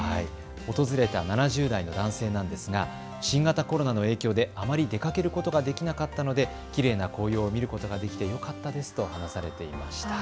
訪れた７０代の男性ですが新型コロナの影響であまり出かけることができなかったのできれいな紅葉を見ることができてよかったですと話されていました。